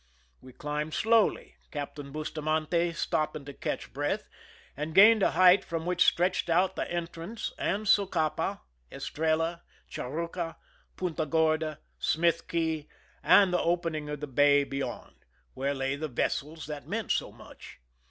We climbed slowly, Captain Bustamante stopping to catch breath, and gained a height from which stretched out the entrance and Socapa, Es trella, Churruca, Punta Gorda, Smith Cay, and the opening of the bay beyond, where lay the vessels that meant so much.